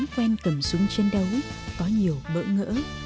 quen cầm súng chiến đấu có nhiều bỡ ngỡ